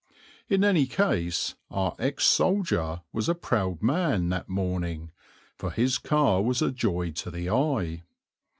In any case our ex soldier was a proud man that morning, for his car was a joy to the eye.